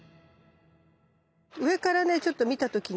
上からねちょっと見た時にさ